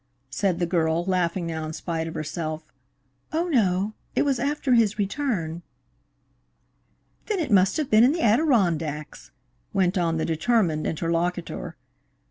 said the girl, laughing now in spite of herself. "Oh, no; it was after his return." "Then it must have been in the Adirondacks," went on the determined interlocutor.